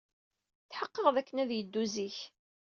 Tḥeqqeɣ dakken ad yeddu zik.